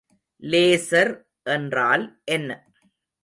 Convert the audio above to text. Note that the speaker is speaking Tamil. லேசர் என்றால் என்ன?